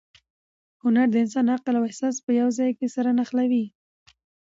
هنر د انسان عقل او احساس په یو ځای کې سره نښلوي.